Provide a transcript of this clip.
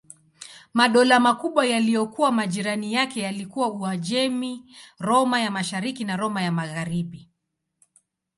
Madola makubwa yaliyokuwa majirani yake yalikuwa Uajemi, Roma ya Mashariki na Roma ya Magharibi.